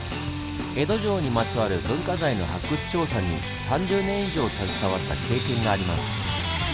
江戸城にまつわる文化財の発掘調査に３０年以上携わった経験があります。